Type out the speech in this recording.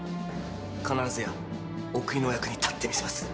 必ずやお国のお役に立ってみせます」